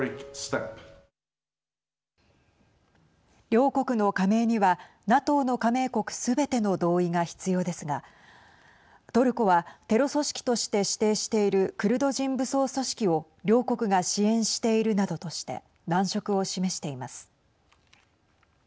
両国の加盟にはＮＡＴＯの加盟国すべての同意が必要ですがトルコはテロ組織として指定しているクルド人武装組織を両国が支援しているなどとして難色を示しています。